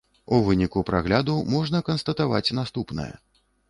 У выніку прагляду можна канстатаваць наступнае.